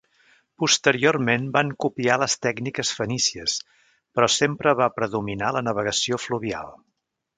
Posteriorment van copiar les tècniques fenícies però sempre va predominar la navegació fluvial.